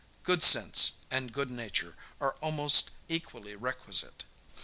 Good sense, and good nature, are almost equally requisite.